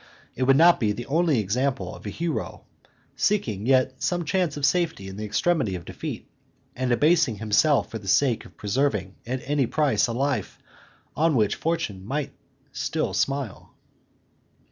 It would not be the only example of a hero seeking yet some chance of safety in the extremity of defeat, and abasing himself for the sake of preserving at any price a life on which fortune might still smile.